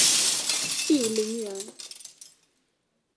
鄙陵人。